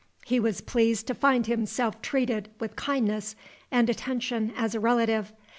He was pleased to find himself treated with kindness and attention as a relative.